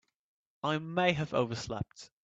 I may have overslept.